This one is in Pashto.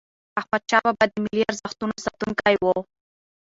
احمدشاه بابا د ملي ارزښتونو ساتونکی و.